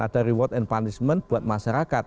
ada reward and punishment buat masyarakat